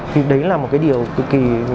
thì đấy là một cái điều cực kỳ